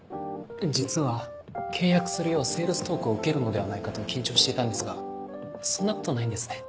実は契約するようセールストークを受けるのではないかと緊張していたんですがそんなことないんですね。